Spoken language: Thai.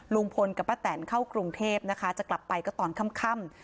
ลุงพลกับป้าแตนเข้ากรุงเทพนะคะจะกลับไปก็ตอนค่ำ